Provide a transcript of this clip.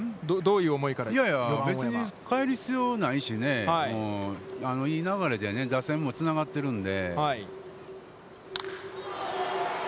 いやいや、別に変える必要ないしね、いい流れで打線もつながってるんで。